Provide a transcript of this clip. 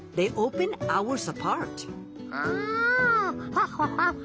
アハハハハ。